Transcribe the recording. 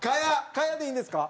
賀屋でいいんですか？